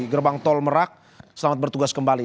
gerbang tol merak selamat bertugas kembali